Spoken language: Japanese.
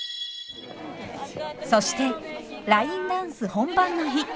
そしてラインダンス本番の日。